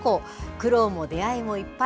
苦労も出会いもいっぱい。